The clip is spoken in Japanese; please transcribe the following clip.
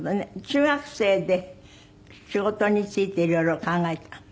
中学生で仕事について色々考えた？